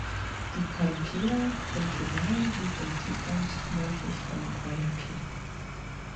Die Parroquia Junquillal liegt im Tiefland nördlich von Guayaquil.